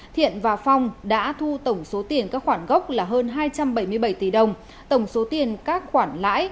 thiện và phong đã thu tổng số tiền các khoản gốc là hơn hai trăm bảy mươi bảy tỷ đồng tổng số tiền các khoản lãi là hai trăm bảy mươi bảy tỷ đồng